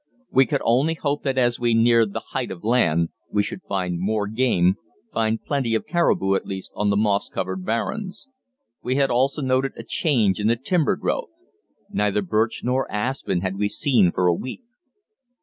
We could only hope that as we neared the "height of land," we should find more game find plenty of caribou, at least, on the moss covered barrens. We had also noted a change in the timber growth; neither birch nor aspen had we seen for a week.